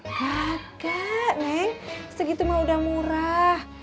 enggak enggak neng segitu emak udah murah